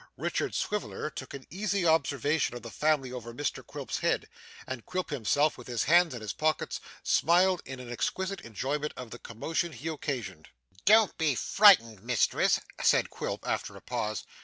Richard Swiveller took an easy observation of the family over Mr Quilp's head, and Quilp himself, with his hands in his pockets, smiled in an exquisite enjoyment of the commotion he occasioned. 'Don't be frightened, mistress,' said Quilp, after a pause.